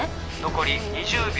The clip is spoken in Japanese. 残り２０秒。